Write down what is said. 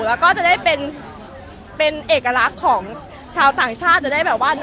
แล้วก็จะได้เป็นเอกลักษณ์ของชาวต่างชาติจะได้แบบว่า